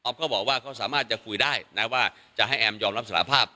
เขาบอกว่าเขาสามารถจะคุยได้นะว่าจะให้แอมยอมรับสารภาพ